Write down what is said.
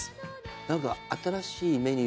何か。